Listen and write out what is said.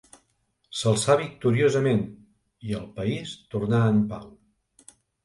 S'alçà victoriosament, i el país tornà en pau.